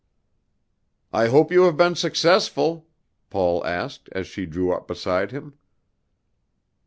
"I hope you have been successful," Paul asked as she drew up beside him.